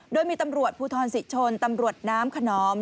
โดยมีตำรวจภูทรศิชนตำรวจน้ำขนอม